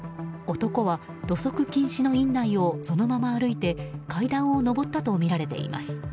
男は、土足禁止の院内をそのまま歩いて階段を上ったとみられています。